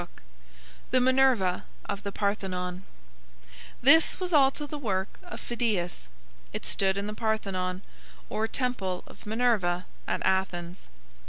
"] THE MINERVA OF THE PARTHENON This was also the work of Phidias. It stood in the Parthenon, or temple of Minerva at Athens.